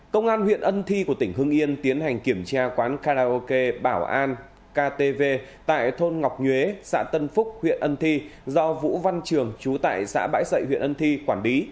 công an huyện ân thi của tỉnh hưng yên tiến hành kiểm tra quán karaoke bảo an ktv tại thôn ngọc nhuế xã tân phúc huyện ân thi do vũ văn trường chú tại xã bãi dậy huyện ân thi quản lý